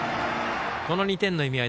この２点の意味合い